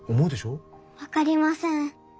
分かりません。